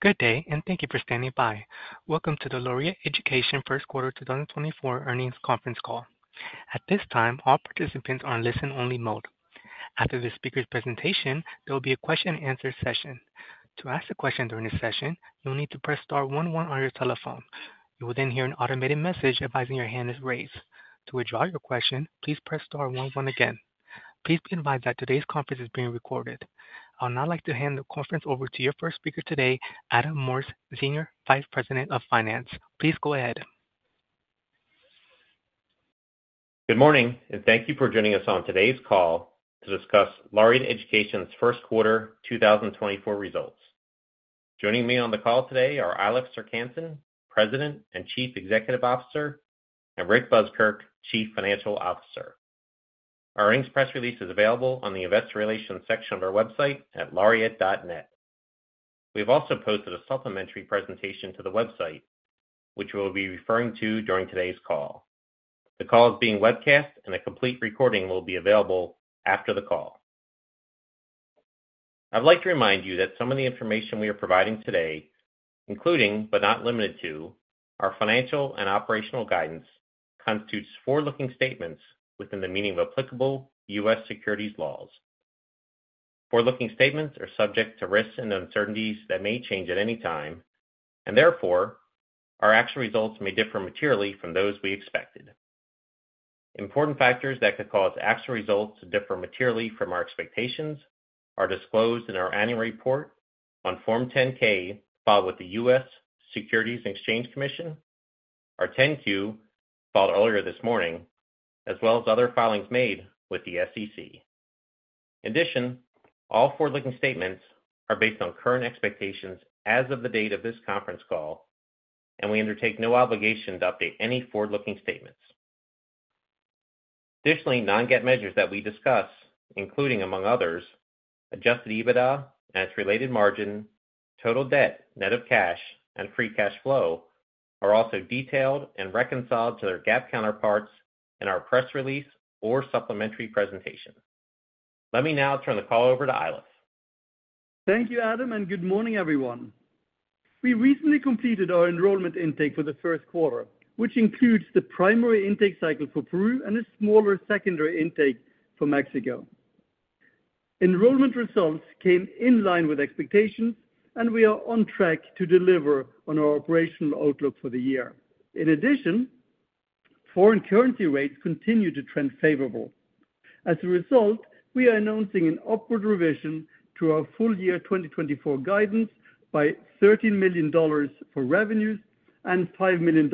Good day, and thank you for standing by. Welcome to the Laureate Education First Quarter 2024 Earnings Conference Call. At this time, all participants are in listen-only mode. After the speaker's presentation, there will be a question-and-answer session. To ask a question during this session, you'll need to press star one one on your telephone. You will then hear an automated message advising your hand is raised. To withdraw your question, please press star one one again. Please be advised that today's conference is being recorded. I would now like to hand the conference over to your first speaker today, Adam Morse, Senior Vice President of Finance please go ahead. Good morning, and thank you for joining us on today's call to discuss Laureate Education's First Quarter 2024 results. Joining me on the call today are Eilif Serck-Hanssen, President and Chief Executive Officer, and Rick Buskirk, Chief Financial Officer. Our earnings press release is available on the Investor Relations section of our website at laureate.net. We have also posted a supplementary presentation to the website, which we will be referring to during today's call. The call is being webcast, and a complete recording will be available after the call. I'd like to remind you that some of the information we are providing today, including but not limited to, our financial and operational guidance constitutes forward-looking statements within the meaning of applicable U.S. securities laws. Forward-looking statements are subject to risks and uncertainties that may change at any time, and therefore our actual results may differ materially from those we expected. Important factors that could cause actual results to differ materially from our expectations are disclosed in our annual report on Form 10-K filed with the U.S. Securities and Exchange Commission, our 10-Q filed earlier this morning, as well as other filings made with the SEC. In addition, all forward-looking statements are based on current expectations as of the date of this conference call, and we undertake no obligation to update any forward-looking statements. Additionally, non-GAAP measures that we discuss, including among others, adjusted EBITDA and its related margin, total debt net of cash, and free cash flow, are also detailed and reconciled to their GAAP counterparts in our press release or supplementary presentation. Let me now turn the call over to Eilif. Thank you Adam, and good morning, everyone. We recently completed our enrollment intake for the first quarter, which includes the primary intake cycle for Peru and a smaller secondary intake for Mexico. Enrollment results came in line with expectations, and we are on track to deliver on our operational outlook for the year. In addition, foreign currency rates continue to trend favorable. As a result, we are announcing an upward revision to our full-year 2024 guidance by $13 million for revenues and $5 million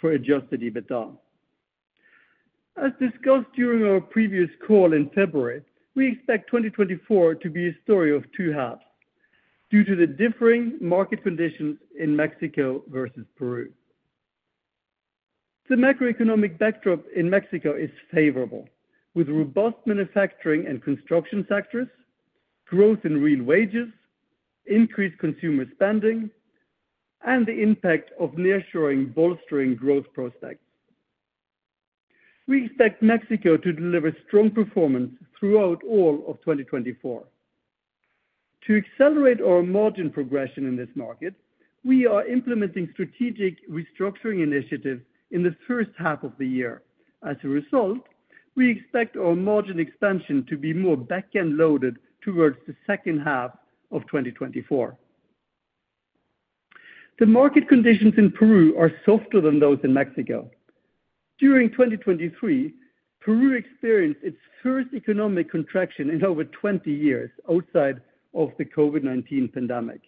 for adjusted EBITDA. As discussed during our previous call in February, we expect 2024 to be a story of two halves due to the differing market conditions in Mexico versus Peru. The macroeconomic backdrop in Mexico is favorable, with robust manufacturing and construction sectors, growth in real wages, increased consumer spending, and the impact of nearshoring bolstering growth prospects. We expect Mexico to deliver strong performance throughout all of 2024. To accelerate our margin progression in this market, we are implementing strategic restructuring initiatives in the first half of the year. As a result, we expect our margin expansion to be more backend-loaded towards the second half of 2024. The market conditions in Peru are softer than those in Mexico. During 2023, Peru experienced its first economic contraction in over 20 years outside of the COVID-19 pandemic,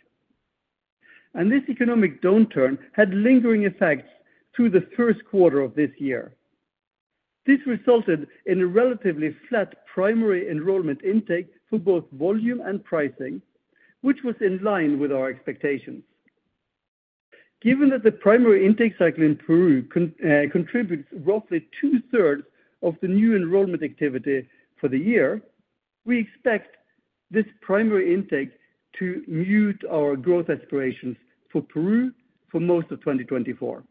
and this economic downturn had lingering effects through the first quarter of this year. This resulted in a relatively flat primary enrollment intake for both volume and pricing, which was in line with our expectations. Given that the primary intake cycle in Peru contributes roughly two-thirds of the new enrollment activity for the year, we expect this primary intake to mute our growth aspirations for Peru for most of 2024.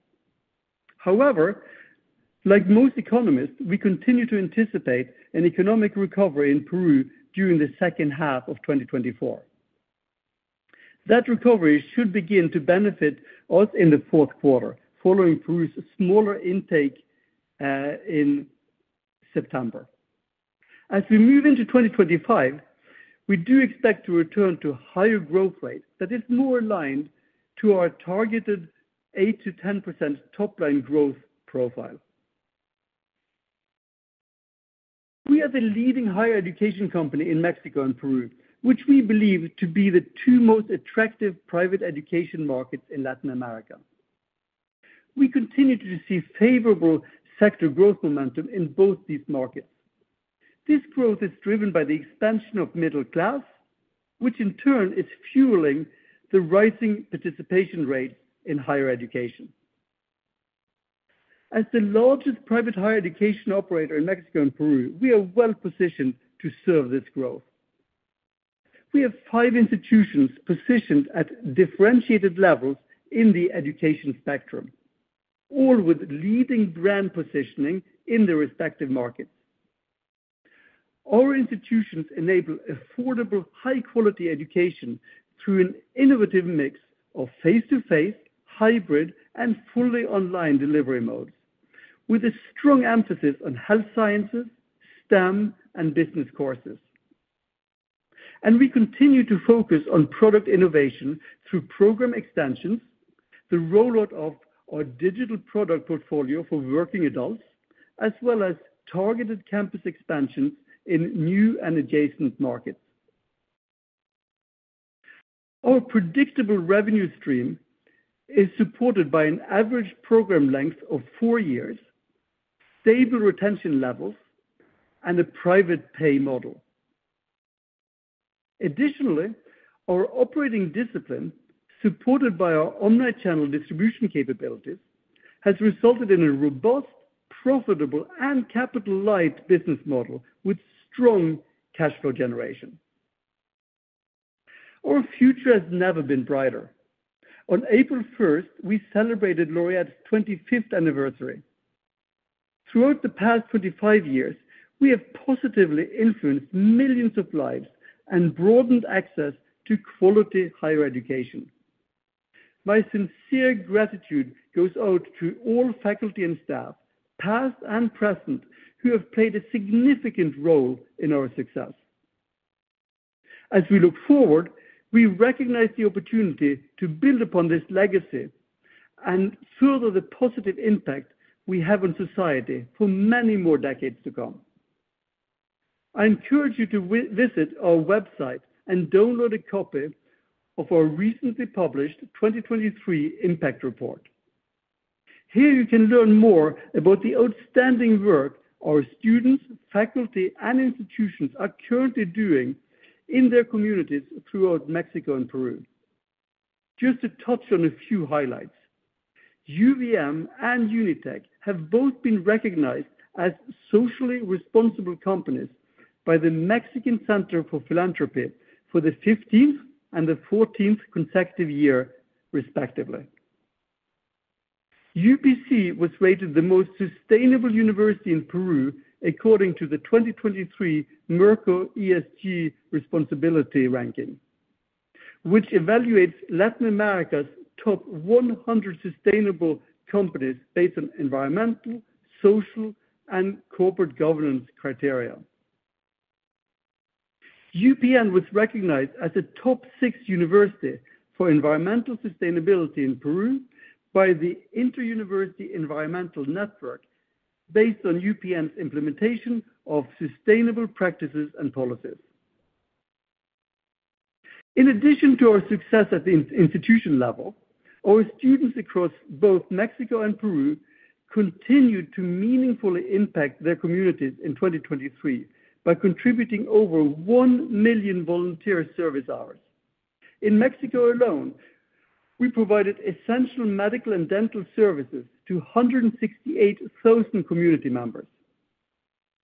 However, like most economists, we continue to anticipate an economic recovery in Peru during the second half of 2024. That recovery should begin to benefit us in the fourth quarter, following Peru's smaller intake in September. As we move into 2025, we do expect to return to higher growth rates that are more aligned to our targeted 8%-10% top-line growth profile. We are the leading higher education company in Mexico and Peru, which we believe to be the two most attractive private education markets in Latin America. We continue to see favorable sector growth momentum in both these markets. This growth is driven by the expansion of middle class, which in turn is fueling the rising participation rates in higher education. As the largest private higher education operator in Mexico and Peru, we are well positioned to serve this growth. We have five institutions positioned at differentiated levels in the education spectrum, all with leading brand positioning in their respective markets. Our institutions enable affordable, high-quality education through an innovative mix of face-to-face, hybrid, and fully online delivery modes, with a strong emphasis on health sciences, STEM, and business courses. We continue to focus on product innovation through program extensions, the rollout of our digital product portfolio for working adults, as well as targeted campus expansions in new and adjacent markets. Our predictable revenue stream is supported by an average program length of four years, stable retention levels, and a private pay model. Additionally, our operating discipline, supported by our omni-channel distribution capabilities, has resulted in a robust, profitable, and capital-light business model with strong cash flow generation. Our future has never been brighter. On April 1st, we celebrated Laureate's 25th anniversary. Throughout the past 25 years, we have positively influenced millions of lives and broadened access to quality higher education. My sincere gratitude goes out to all faculty and staff, past and present, who have played a significant role in our success. As we look forward, we recognize the opportunity to build upon this legacy and further the positive impact we have on society for many more decades to come. I encourage you to visit our website and download a copy of our recently published 2023 Impact Report. Here you can learn more about the outstanding work our students, faculty, and institutions are currently doing in their communities throughout Mexico and Peru. Just to touch on a few highlights: UVM and UNITEC have both been recognized as socially responsible companies by the Mexican Center for Philanthropy for the 15th and the 14th consecutive year, respectively. UPC was rated the most sustainable university in Peru according to the 2023 Merco ESG Responsibility Ranking, which evaluates Latin America's top 100 sustainable companies based on environmental, social, and corporate governance criteria. UPN was recognized as a top six university for environmental sustainability in Peru by the Interuniversity Environmental Network based on UPN's implementation of sustainable practices and policies. In addition to our success at the institution level, our students across both Mexico and Peru continued to meaningfully impact their communities in 2023 by contributing over 1 million volunteer service hours. In Mexico alone, we provided essential medical and dental services to 168,000 community members.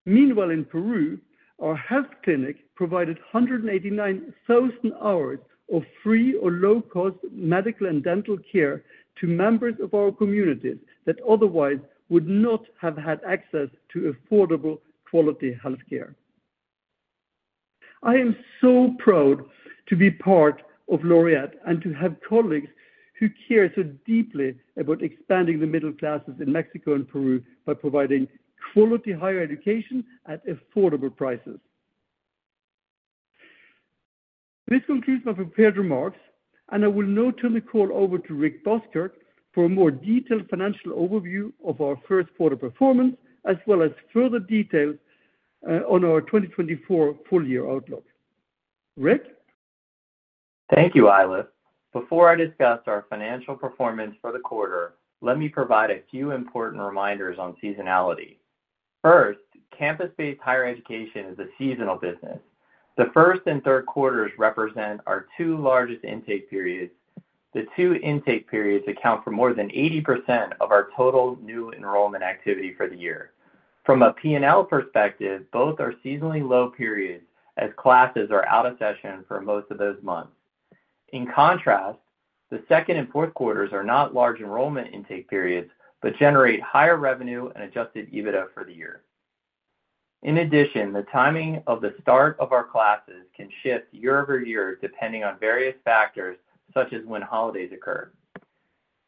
Meanwhile, in Peru, our health clinic provided 189,000 hours of free or low-cost medical and dental care to members of our communities that otherwise would not have had access to affordable quality health care. I am so proud to be part of Laureate and to have colleagues who care so deeply about expanding the middle classes in Mexico and Peru by providing quality higher education at affordable prices. This concludes my prepared remarks, and I will now turn the call over to Rick Buskirk for a more detailed financial overview of our first quarter performance as well as further details on our 2024 full-year outlook. Rick? Thank you, Eilif. Before I discuss our financial performance for the quarter, let me provide a few important reminders on seasonality. First, campus-based higher education is a seasonal business. The first and third quarters represent our two largest intake periods. The two intake periods account for more than 80% of our total new enrollment activity for the year. From a P&L perspective, both are seasonally low periods as classes are out of session for most of those months. In contrast, the second and fourth quarters are not large enrollment intake periods but generate higher revenue and Adjusted EBITDA for the year. In addition, the timing of the start of our classes can shift year-over-year depending on various factors such as when holidays occur.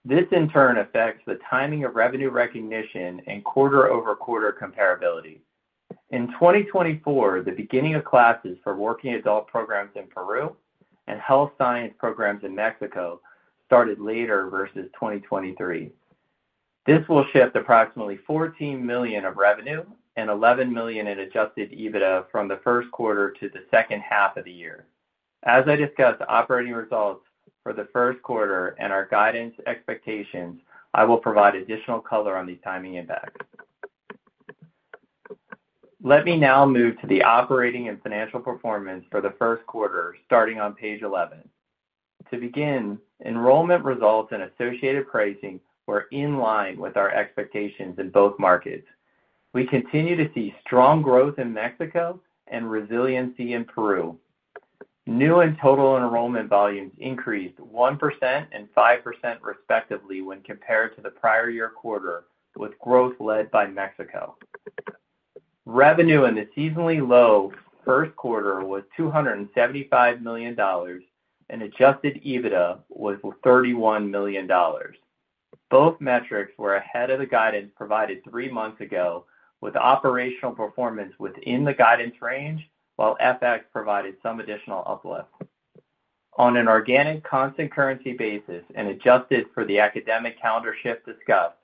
This, in turn, affects the timing of revenue recognition and quarter-over-quarter comparability. In 2024, the beginning of classes for working adult programs in Peru and health science programs in Mexico started later versus 2023. This will shift approximately $14 million of revenue and $11 million in Adjusted EBITDA from the first quarter to the second half of the year. As I discussed operating results for the first quarter and our guidance expectations, I will provide additional color on the timing impacts. Let me now move to the operating and financial performance for the first quarter, starting on page 11. To begin, enrollment results and associated pricing were in line with our expectations in both markets. We continue to see strong growth in Mexico and resiliency in Peru. New and total enrollment volumes increased 1% and 5% respectively when compared to the prior-year quarter, with growth led by Mexico. Revenue in the seasonally low first quarter was $275 million, and adjusted EBITDA was $31 million. Both metrics were ahead of the guidance provided three months ago, with operational performance within the guidance range while FX provided some additional uplift. On an organic constant currency basis and adjusted for the academic calendar shift discussed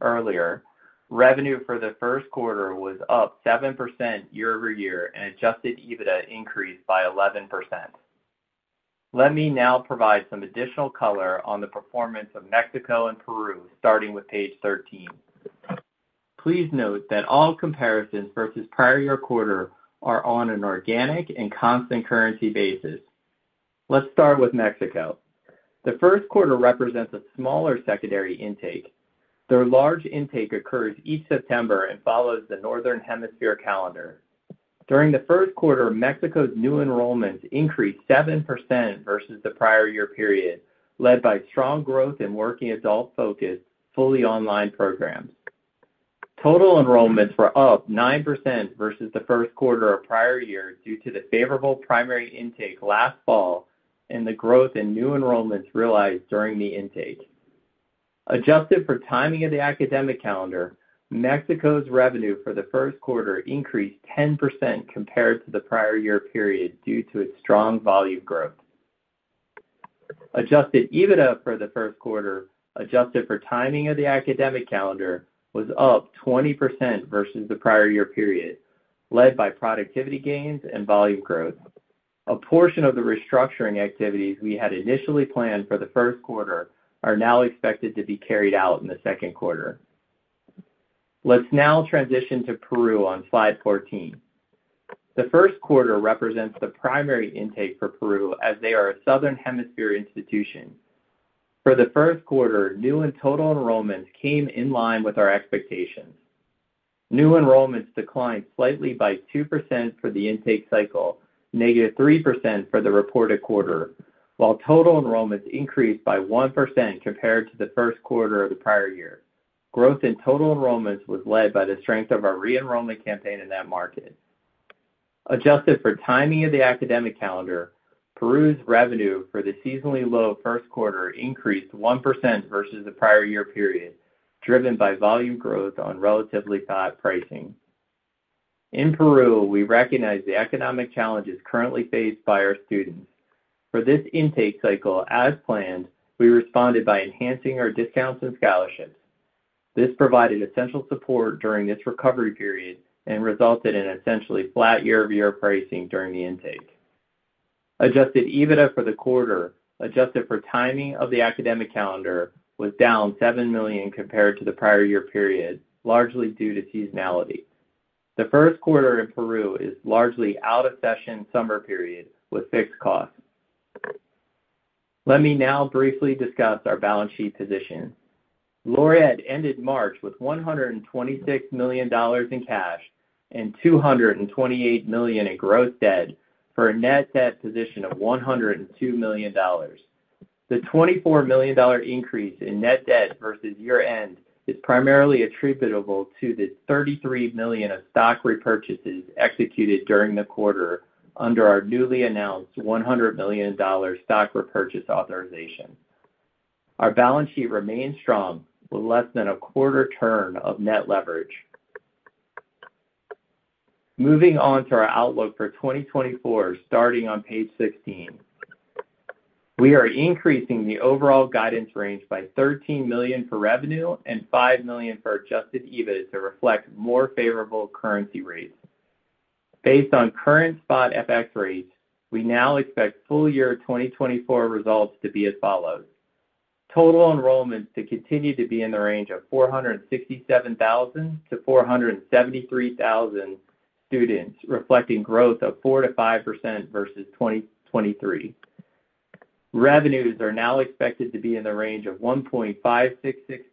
earlier, revenue for the first quarter was up 7% year-over-year and adjusted EBITDA increased by 11%. Let me now provide some additional color on the performance of Mexico and Peru, starting with page 13. Please note that all comparisons versus prior-year quarter are on an organic and constant currency basis. Let's start with Mexico. The first quarter represents a smaller secondary intake. Their large intake occurs each September and follows the Northern Hemisphere calendar. During the first quarter, Mexico's new enrollments increased 7% versus the prior-year period, led by strong growth in working adult-focused, fully online programs. Total enrollments were up 9% versus the first quarter of prior year due to the favorable primary intake last fall and the growth in new enrollments realized during the intake. Adjusted for timing of the academic calendar, Mexico's revenue for the first quarter increased 10% compared to the prior-year period due to its strong volume growth. Adjusted EBITDA for the first quarter, adjusted for timing of the academic calendar, was up 20% versus the prior-year period, led by productivity gains and volume growth. A portion of the restructuring activities we had initially planned for the first quarter are now expected to be carried out in the second quarter. Let's now transition to Peru on slide 14. The first quarter represents the primary intake for Peru as they are a Southern Hemisphere institution. For the first quarter, new and total enrollments came in line with our expectations. New enrollments declined slightly by 2% for the intake cycle, -3% for the reported quarter, while total enrollments increased by 1% compared to the first quarter of the prior year. Growth in total enrollments was led by the strength of our re-enrollment campaign in that market. Adjusted for timing of the academic calendar, Peru's revenue for the seasonally low first quarter increased 1% versus the prior-year period, driven by volume growth on relatively flat pricing. In Peru, we recognize the economic challenges currently faced by our students. For this intake cycle, as planned, we responded by enhancing our discounts and scholarships. This provided essential support during this recovery period and resulted in essentially flat year-over-year pricing during the intake. Adjusted EBITDA for the quarter, adjusted for timing of the academic calendar, was down $7 million compared to the prior-year period, largely due to seasonality. The first quarter in Peru is largely out-of-session summer period with fixed costs. Let me now briefly discuss our balance sheet position. Laureate ended March with $126 million in cash and $228 million in gross debt for a net debt position of $102 million. The $24 million increase in net debt versus year-end is primarily attributable to the $33 million of stock repurchases executed during the quarter under our newly announced $100 million stock repurchase authorization. Our balance sheet remains strong with less than a quarter turn of net leverage. Moving on to our outlook for 2024, starting on page 16. We are increasing the overall guidance range by $13 million for revenue and $5 million for Adjusted EBITDA to reflect more favorable currency rates. Based on current spot FX rates, we now expect full-year 2024 results to be as follows. Total enrollments to continue to be in the range of 467,000-473,000 students, reflecting growth of 4%-5% versus 2023. Revenues are now expected to be in the range of $1.566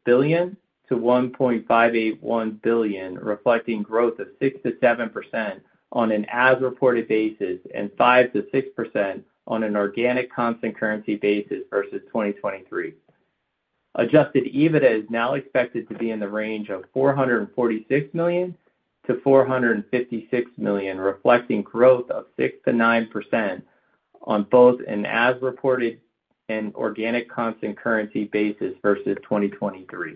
billion-$1.581 billion, reflecting growth of 6%-7% on an as-reported basis and 5%-6% on an organic constant currency basis versus 2023. Adjusted EBITDA is now expected to be in the range of $446 million-$456 million, reflecting growth of 6%-9% on both an as-reported and organic constant currency basis versus 2023.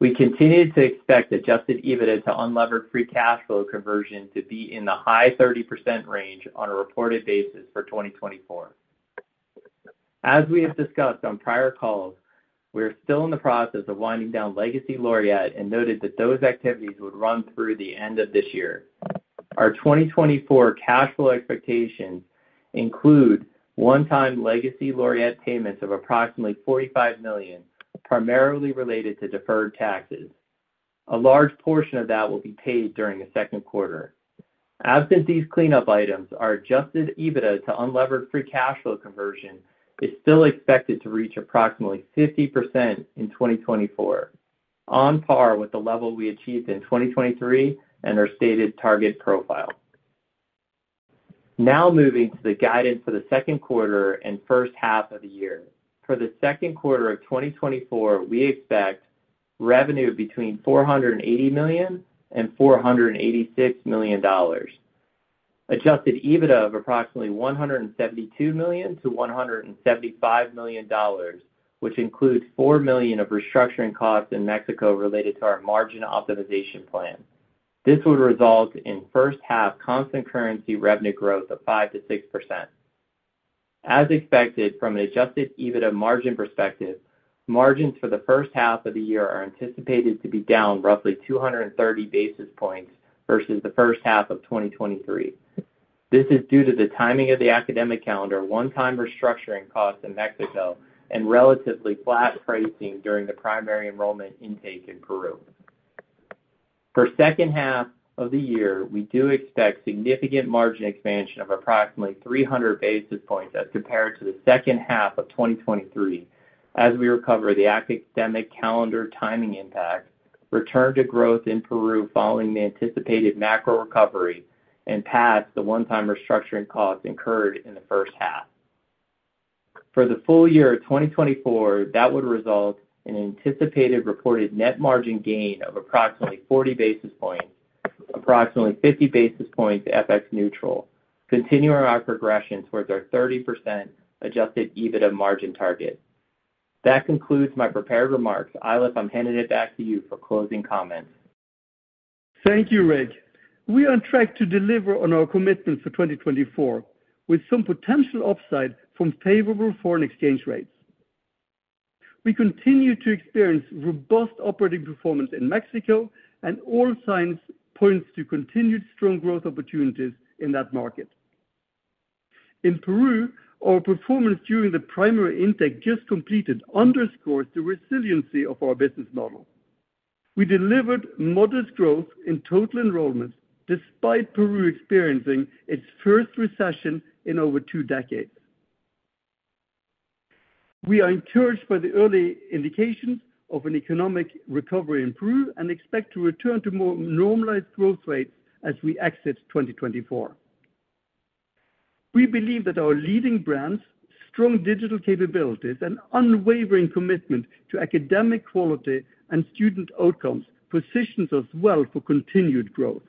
We continue to expect Adjusted EBITDA to unlevered free cash flow conversion to be in the high 30% range on a reported basis for 2024. As we have discussed on prior calls, we are still in the process of winding down legacy Laureate and noted that those activities would run through the end of this year. Our 2024 cash flow expectations include one-time legacy Laureate payments of approximately $45 million, primarily related to deferred taxes. A large portion of that will be paid during the second quarter. Absent these cleanup items, our adjusted EBITDA to unlevered free cash flow conversion is still expected to reach approximately 50% in 2024, on par with the level we achieved in 2023 and our stated target profile. Now moving to the guidance for the second quarter and first half of the year. For the second quarter of 2024, we expect revenue between $480 million and $486 million, Adjusted EBITDA of approximately $172 million-$175 million, which includes $4 million of restructuring costs in Mexico related to our margin optimization plan. This would result in first-half constant currency revenue growth of 5%-6%. As expected from an adjusted EBITDA margin perspective, margins for the first half of the year are anticipated to be down roughly 230 basis points versus the first half of 2023. This is due to the timing of the academic calendar, one-time restructuring costs in Mexico, and relatively flat pricing during the primary enrollment intake in Peru. For second half of the year, we do expect significant margin expansion of approximately 300 basis points as compared to the second half of 2023, as we recover the academic calendar timing impact, return to growth in Peru following the anticipated macro recovery, and pass the one-time restructuring costs incurred in the first half. For the full year of 2024, that would result in an anticipated reported net margin gain of approximately 40 basis points, approximately 50 basis points FX neutral, continuing our progression towards our 30% adjusted EBITDA margin target. That concludes my prepared remarks. Eilif, I'm handing it back to you for closing comments. Thank you, Rick. We are on track to deliver on our commitment for 2024 with some potential upside from favorable foreign exchange rates. We continue to experience robust operating performance in Mexico, and all signs point to continued strong growth opportunities in that market. In Peru, our performance during the primary intake just completed underscores the resiliency of our business model. We delivered modest growth in total enrollments despite Peru experiencing its first recession in over two decades. We are encouraged by the early indications of an economic recovery in Peru and expect to return to more normalized growth rates as we exit 2024. We believe that our leading brands, strong digital capabilities, and unwavering commitment to academic quality and student outcomes position us well for continued growth.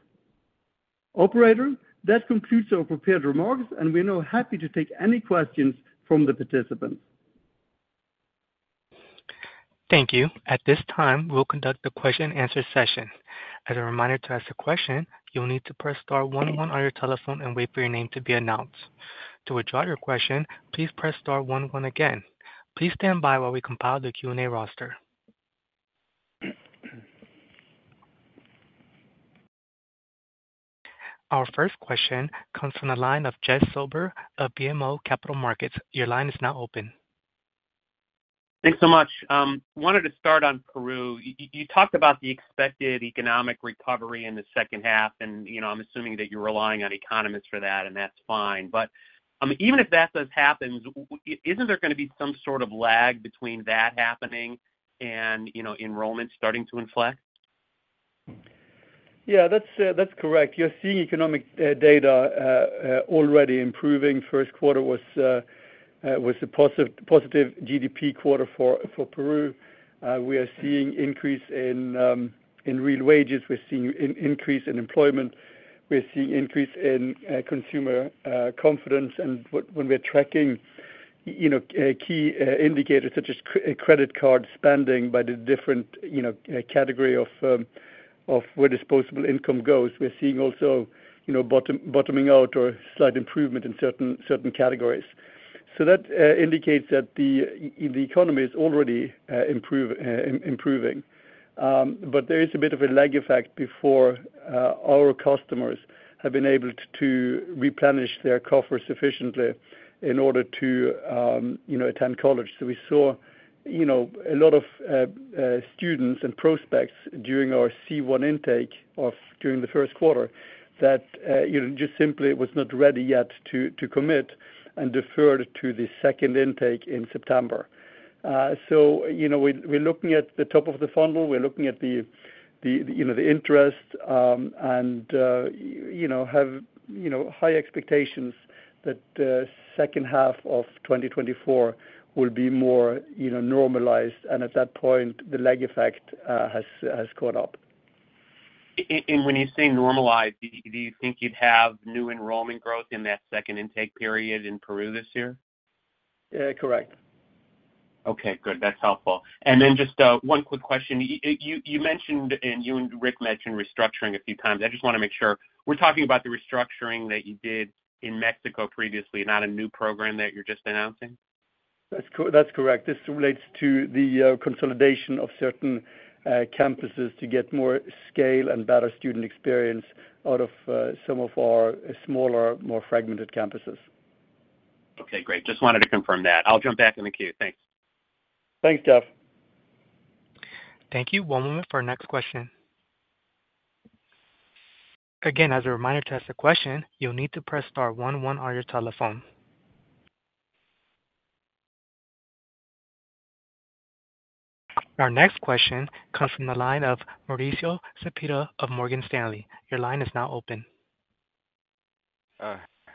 Operator, that concludes our prepared remarks, and we are now happy to take any questions from the participants. Thank you at this time, we'll conduct the question-and-answer session. As a reminder to ask a question, you'll need to press star one one on your telephone and wait for your name to be announced. To withdraw your question, please press star one one again. Please stand by while we compile the Q&A roster. Our first question comes from the line of Jeff Silber of BMO Capital Markets. Your line is now open. Thanks so much. I wanted to start on Peru. You talked about the expected economic recovery in the second half, and I'm assuming that you're relying on economists for that, and that's fine. But even if that does happen, isn't there going to be some sort of lag between that happening and enrollments starting to inflect? Yeah, that's correct. You're seeing economic data already improving. First quarter was a positive GDP quarter for Peru. We are seeing increase in real wages. We're seeing increase in employment. We're seeing increase in consumer confidence. And when we're tracking key indicators such as credit card spending by the different category of where disposable income goes, we're seeing also bottoming out or slight improvement in certain categories. So that indicates that the economy is already improving. But there is a bit of a lag effect before our customers have been able to replenish their coffers sufficiently in order to attend college. So we saw a lot of students and prospects during our C1 intake during the first quarter that just simply was not ready yet to commit and deferred to the second intake in September. So we're looking at the top of the funnel. We're looking at the interest and have high expectations that second half of 2024 will be more normalized, and at that point, the lag effect has caught up. When you say normalized, do you think you'd have new enrollment growth in that second intake period in Peru this year? Correct. Okay good that's helpful. And then just one quick question. You mentioned, and you and Rick mentioned, restructuring a few times. I just want to make sure. We're talking about the restructuring that you did in Mexico previously, not a new program that you're just announcing? That's correct. This relates to the consolidation of certain campuses to get more scale and better student experience out of some of our smaller, more fragmented campuses. Okay great just wanted to confirm that. I'll jump back in the queue thanks. Thanks Jeff. Thank you. One moment for our next question. Again, as a reminder to ask a question, you'll need to press star one one on your telephone. Our next question comes from the line of Mauricio Cepeda of Morgan Stanley. Your line is now open.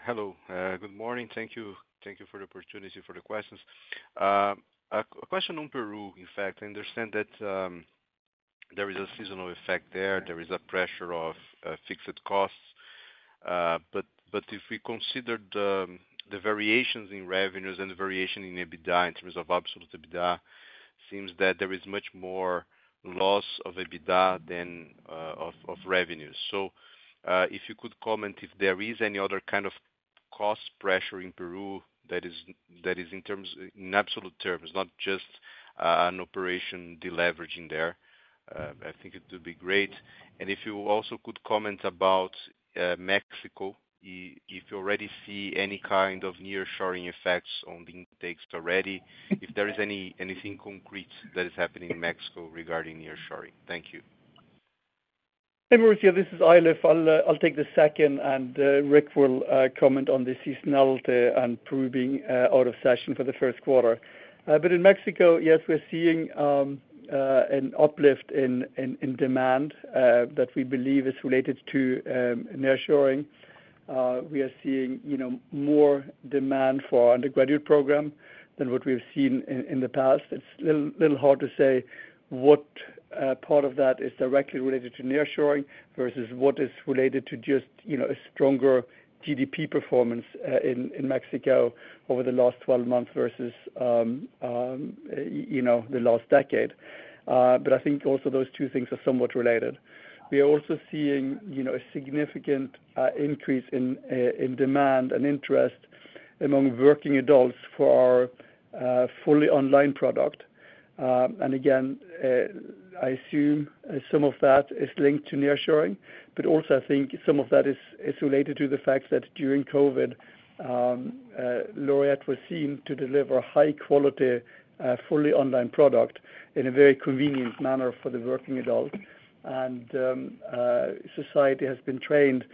Hello good morning. Thank you for the opportunity for the questions. A question on Peru, in fact. I understand that there is a seasonal effect there. There is a pressure of fixed costs. But if we consider the variations in revenues and the variation in EBITDA in terms of absolute EBITDA, it seems that there is much more loss of EBITDA than of revenues. So if you could comment if there is any other kind of cost pressure in Peru that is in absolute terms, not just an operation deleveraging there, I think it would be great? And if you also could comment about Mexico, if you already see any kind of nearshoring effects on the intakes already, if there is anything concrete that is happening in Mexico regarding nearshoring? Thank you. Hey Mauricio. This is Eilif. I'll take the second, and Rick will comment on the seasonality and Peru being out of session for the first quarter. But in Mexico, yes, we're seeing an uplift in demand that we believe is related to nearshoring. We are seeing more demand for our undergraduate program than what we've seen in the past. It's a little hard to say what part of that is directly related to nearshoring versus what is related to just a stronger GDP performance in Mexico over the last 12 months versus the last decade. But I think also those two things are somewhat related. We are also seeing a significant increase in demand and interest among working adults for our fully online product. And again, I assume some of that is linked to nearshoring, but also I think some of that is related to the fact that during COVID, Laureate was seen to deliver high-quality, fully online product in a very convenient manner for the working adult. And society has been trained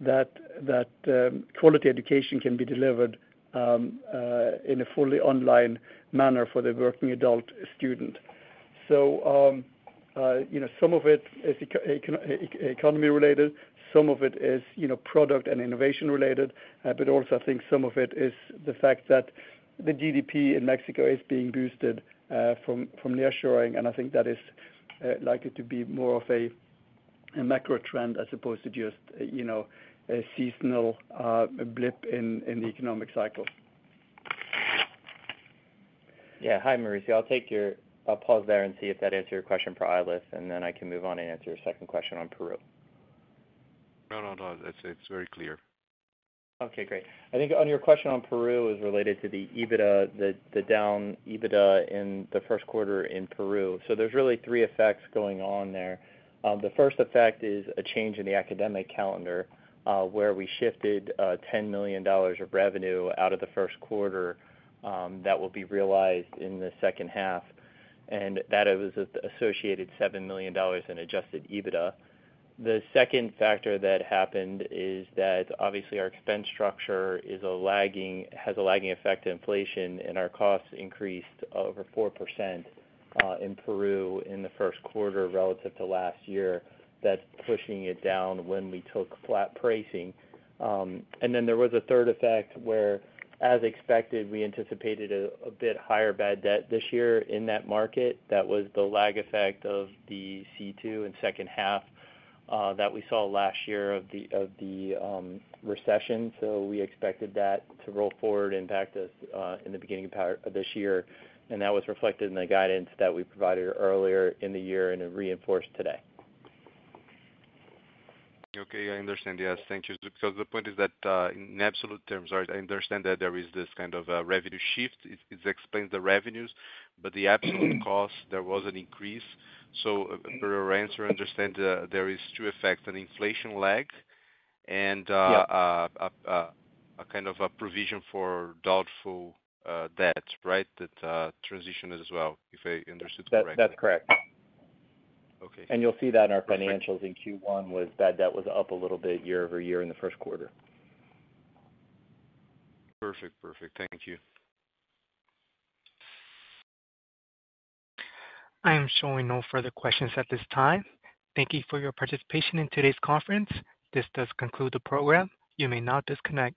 that quality education can be delivered in a fully online manner for the working adult student. So some of it is economy-related. Some of it is product and innovation-related. But also, I think some of it is the fact that the GDP in Mexico is being boosted from nearshoring, and I think that is likely to be more of a macro trend as opposed to just a seasonal blip in the economic cycle. Yeah hi Mauricio. I'll pause there and see if that answers your question for Mexico, and then I can move on and answer your second question on Peru. No, no, no. It's very clear. Okay great, I think on your question on Peru, it was related to the down EBITDA in the first quarter in Peru. So there's really three effects going on there. The first effect is a change in the academic calendar where we shifted $10 million of revenue out of the first quarter that will be realized in the second half. And that was associated with $7 million in Adjusted EBITDA. The second factor that happened is that, obviously, our expense structure has a lagging effect on inflation, and our costs increased over 4% in Peru in the first quarter relative to last year. That's pushing it down when we took flat pricing. And then there was a third effect where, as expected, we anticipated a bit higher bad debt this year in that market. That was the lag effect of the C2 and second half that we saw last year of the recession. So we expected that to roll forward and back us in the beginning of this year. And that was reflected in the guidance that we provided earlier in the year and is reinforced today. Okay I understand. Yes thank you because the point is that in absolute terms, I understand that there is this kind of revenue shift. It explains the revenues, but the absolute cost, there was an increase. So per your answer, I understand there are two effects: an inflation lag and a kind of provision for doubtful debt, right, that transitioned as well, if I understood correctly? That's correct. And you'll see that in our financials, in Q1, bad debt was up a little bit year-over-year in the first quarter. Perfect. Perfect thank you. I am showing no further questions at this time. Thank you for your participation in today's conference. This does conclude the program. You may now disconnect.